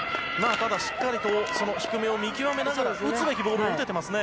ただしっかり低めを見極めながら打つべきボールを打ててますね。